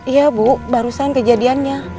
iya bu barusan kejadiannya